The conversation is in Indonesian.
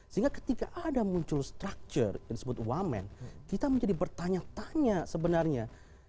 sehingga ketika ada muncul structure yang disebut wamen kita menjadi bertanya tanya sebenarnya